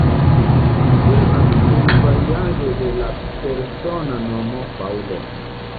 Temas pri variaĵo de la persona nomo "Paŭlo".